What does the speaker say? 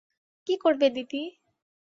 কী করবে দিদি?